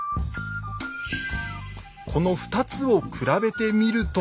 この２つを比べてみると。